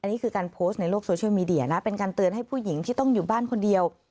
นี่คือการโพสต์ในโลกโซเชียลมีเดียนะเป็นการเตือนให้ผู้หญิงที่ต้องอยู่บ้านคนเดียว